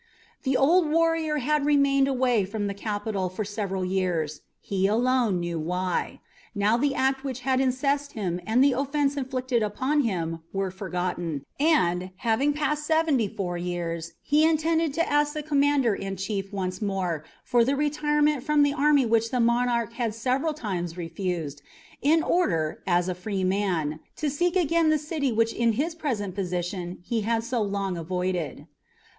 The old warrior had remained away from the capital for several years; he alone knew why. Now the act which had incensed him and the offence inflicted upon him were forgotten, and, having passed seventy four years, he intended to ask the commander in chief once more for the retirement from the army which the monarch had several times refused, in order, as a free man, to seek again the city which in his present position he had so long avoided.